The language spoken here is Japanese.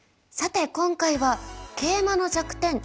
さて今回はケイマの弱点